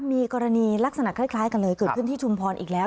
มีกรณีลักษณะคล้ายกันเลยเกิดขึ้นที่ชุมพรอีกแล้ว